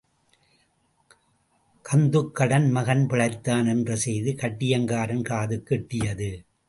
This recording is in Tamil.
கந்துக்கடன் மகன் பிழைத்தான் என்ற செய்தி கட்டியங்காரன் காதுக்கு எட்டியது.